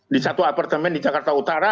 di satu apartemen di jakarta utara